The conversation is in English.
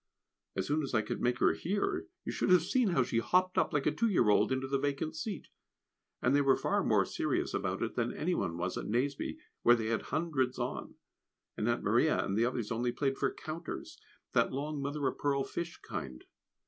As soon as I could make her hear, you should have seen how she hopped up like a two year old into the vacant seat; and they were far more serious about it than any one was at Nazeby, where they had hundreds on, and Aunt Maria and the others only played for counters that long mother o' pearl fish kind.